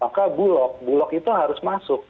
maka bulok bulok itu harus masuk